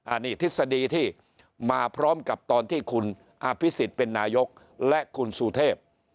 อันนี้ทฤษฎีที่มาพร้อมกับตอนที่คุณอภิษฎเป็นนายกและคุณสุเทพ